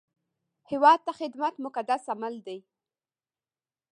هیواد ته خدمت مقدس عمل دی